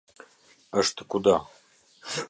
Eshtë kudo.